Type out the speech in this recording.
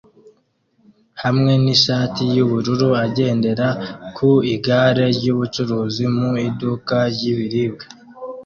hamwe nishati yubururu agendera ku igare ryubucuruzi mu iduka ry ibiribwa